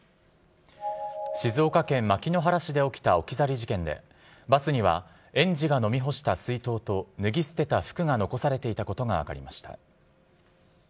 静岡県牧之原市で起きた置き去り事件でバスには園児が飲み干した水筒と脱ぎ捨てた服が残されていたことが分かりました。